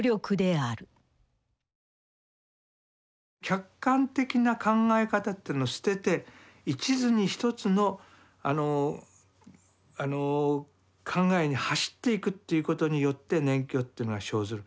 客観的な考え方というのを捨てて一途に１つのあのあの考えに走っていくということによって熱狂というのは生ずる。